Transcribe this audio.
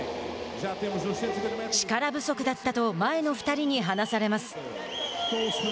力不足だったと前の２人に離されます。